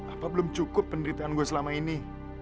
apa belum cukup penderitaan gue selama ini